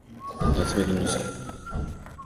なつめきんのすけ